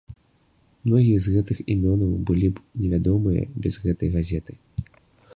Многія з гэтых імёнаў былі б невядомыя без гэтай газеты.